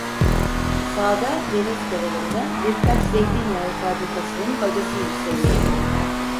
Sağda, deniz kenarında birkaç zeytinyağı fabrikasının bacası yükseliyordu.